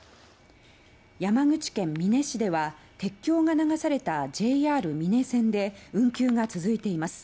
山口県美祢市では鉄橋が流されたＪＲ美祢線で運休が続いています。